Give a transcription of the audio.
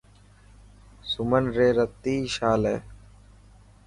سمن ري رتي شال هي.